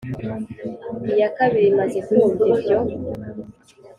Iya kabiri, imaze kumva ibyo,